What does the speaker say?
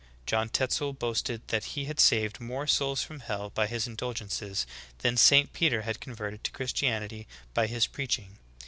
♦ John Tetzel boast ed that he had saved more souls from hell by his indulgences than St. Peter had converted to Christianity by his preach ing.